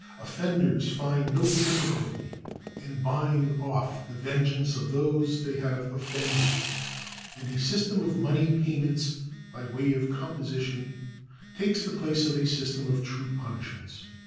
Offenders find no difficulty in buying off the vengeance of those they have offended, and a system of money payments by way of com position takes the place of a system of true punishments.